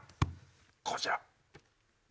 こちら。